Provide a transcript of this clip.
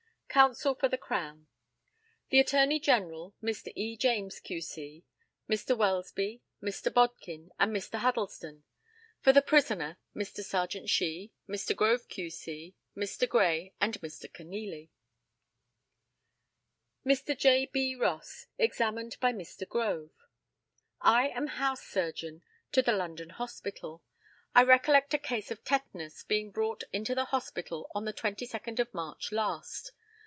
Counsel for the Crown: The Attorney General, Mr. E. James, Q.C., Mr. Welsby, Mr. Bodkin, and Mr. Huddleston; for the prisoner, Mr. Serjeant Shee, Mr. Grove, Q.C., Mr. Gray, and Mr. Kenealy. Mr. J. B. ROSS, examined by Mr. GROVE: I am house surgeon to the London Hospital. I recollect a case of tetanus being brought into the hospital on the 22d of March last.